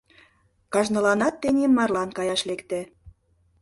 Кажныланат тений марлан каяш лекте.